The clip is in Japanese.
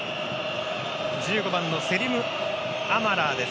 １５番のセリム・アマラーです。